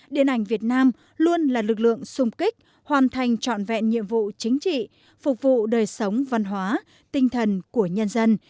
điện ảnh việt nam luôn là lực lượng xung kích hoàn thành trọn vẹn nhiệm vụ chính trị phục vụ đời sống văn hóa tinh thần của nhân dân